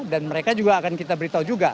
dan mereka juga akan kita beritahu juga